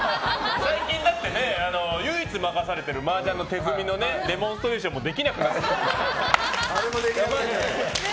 最近、唯一任されてるマージャンの手積みのデモンストレーションもできなくなってる。